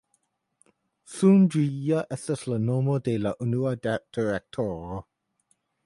Sudria estas la nomo de la unua direktoro.